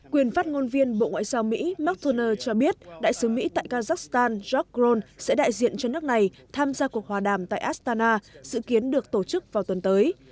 quyền phát ngôn viên bộ ngoại giao mỹ martoner cho biết đại sứ mỹ tại kazakhstan jockron sẽ đại diện cho nước này tham gia cuộc hòa đàm tại astana dự kiến được tổ chức vào tuần tới